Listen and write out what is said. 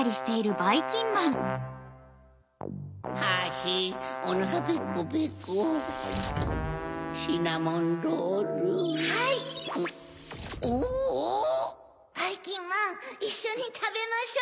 ばいきんまんいっしょにたべましょう。